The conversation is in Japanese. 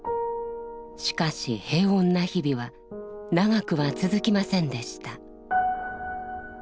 しかし平穏な日々は長くは続きませんでした。